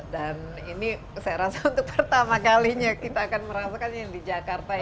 dan ini saya rasa untuk pertama kalinya kita akan merasakan yang di jakarta itu kita